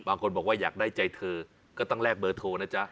บางคนบอกว่าอยากได้ใจเธอก็ต้องแลกเบอร์โทรนะจ๊ะ